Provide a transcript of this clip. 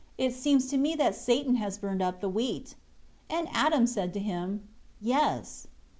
It seems to me that Satan has burnt up the wheat." And Adam said to him, "Yes."